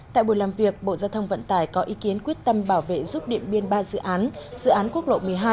tại buổi làm việc bộ giao thông vận tải có ý kiến quyết tâm bảo vệ giúp điện biên ba dự án dự án quốc lộ một mươi hai